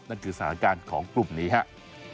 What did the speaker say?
นั่นคือสถานการณ์ของกลุ่มนี้ครับ